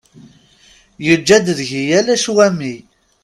Yeǧǧa-d deg-i ala ccwami.